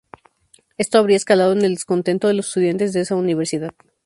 Esto habría escalado el descontento de los estudiantes de esa universidad.